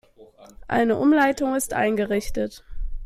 Eine Umleitung ist eingerichtet.